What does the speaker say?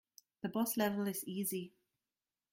The boss level is easy.